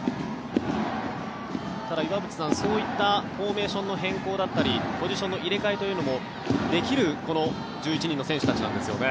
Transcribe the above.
ただ、岩渕さん、そういったフォーメーションの変更だったりポジションの入れ替えというのもできる１１人の選手たちなんですよね。